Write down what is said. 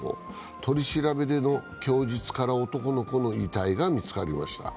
取り調べでの供述から男の子の遺体が見つかりました。